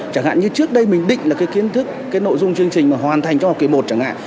chẳng hạn như trước đây mình định là cái kiến thức cái nội dung chương trình mà hoàn thành cho học kỳ một chẳng hạn